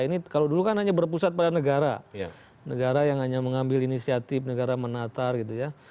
ini kalau dulu kan hanya berpusat pada negara negara yang hanya mengambil inisiatif negara menatar gitu ya